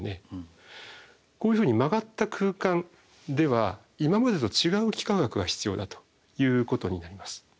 こういうふうに曲がった空間では今までと違う幾何学が必要だということになります。